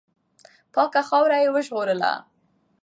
پاکه خاوره یې وژغورله.